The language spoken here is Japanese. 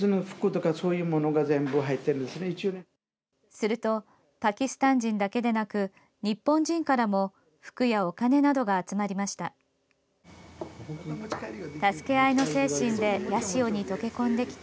するとパキスタン人だけでなく日本人からも服やお金などが集まりました。